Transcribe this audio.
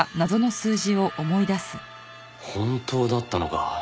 本当だったのか。